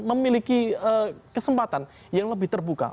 memiliki kesempatan yang lebih terbuka